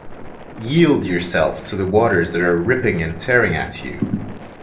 Yield yourself to the waters that are ripping and tearing at you.